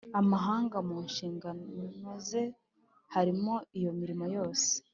amahanga mu nshingano ze harimo iyo mirimo yose